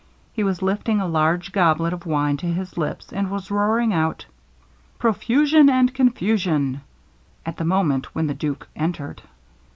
He was lifting a large goblet of wine to his lips, and was roaring out, 'Profusion and confusion,' at the moment when the duke entered.